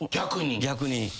逆に。